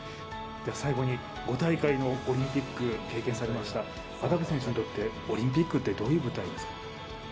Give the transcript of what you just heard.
最後に５大会のオリンピック経験されました渡部選手にとってオリンピックってどういう舞台ですか？